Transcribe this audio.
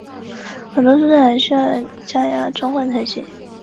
梅林天后宫的历史年代为清。